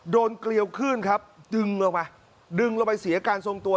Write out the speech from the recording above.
เกลียวขึ้นครับดึงลงมาดึงลงไปเสียการทรงตัว